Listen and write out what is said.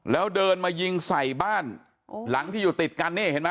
แล้วเดินมายิงใส่บ้านหลังที่อยู่ติดกันนี่เห็นไหม